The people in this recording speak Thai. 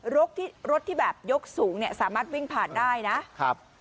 รถที่รถที่แบบยกสูงเนี่ยสามารถวิ่งผ่านได้นะครับ